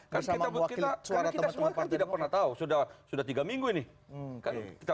karena kita semua kan tidak pernah tahu sudah tiga minggu ini